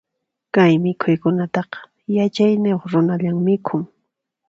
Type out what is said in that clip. Kay mikhuykunataqa, yachayniyuq runalla mikhun.